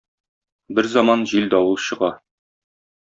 Берзаман җил-давыл чыга.